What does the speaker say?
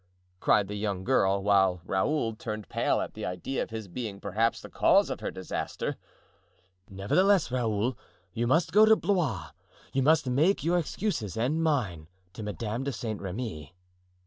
cried the young girl, while Raoul turned pale at the idea of his being perhaps the cause of her disaster. "Nevertheless, Raoul, you must go to Blois and you must make your excuses and mine to Madame de Saint Remy."